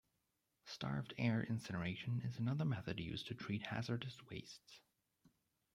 Starved air incineration is another method used to treat hazardous wastes.